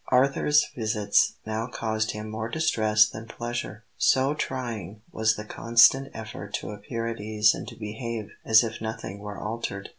Arthur's visits now caused him more distress than pleasure, so trying was the constant effort to appear at ease and to behave as if nothing were altered.